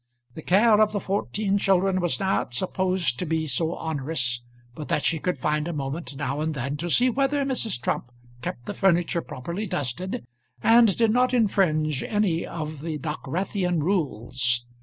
The care of the fourteen children was not supposed to be so onerous but that she could find a moment now and then to see whether Mrs. Trump kept the furniture properly dusted, and did not infringe any of the Dockwrathian rules.